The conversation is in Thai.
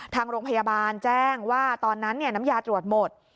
ทางโรงพยาบาลแจ้งว่าตอนนั้นน้ำยาตรวจหมด